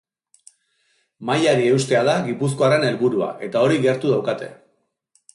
Mailari eustea da gipuzkoarren helburua, eta hori gertu daukate.